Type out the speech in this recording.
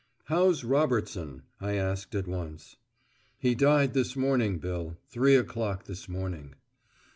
"How's Robertson?" I asked at once. "He died this morning, Bill three o'clock this morning."